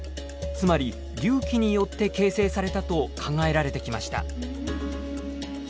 つまり隆起によって形成されたと考えられてきました。